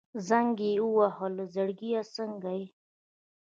زنګ يې ووهه الو زړګيه څنګه يې.